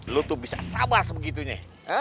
lu tuh bisa sabar sebegitunya